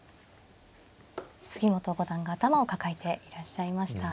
杉本五段が頭を抱えていらっしゃいました。